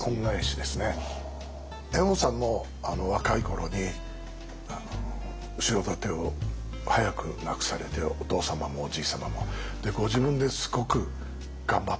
猿翁さんも若い頃に後ろ盾を早く亡くされてお父様もおじい様もご自分ですごく頑張ってらっしゃったんですね。